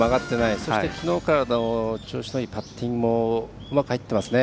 そしてきのうから調子のいいパッティングもうまく入ってますね。